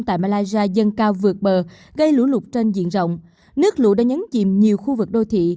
tại malaysia dâng cao vượt bờ gây lũ lụt trên diện rộng nước lũ đã nhấn chìm nhiều khu vực đô thị